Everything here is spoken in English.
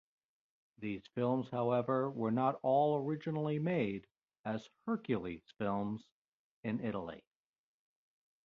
These films however were not all originally made as "Hercules" films in Italy.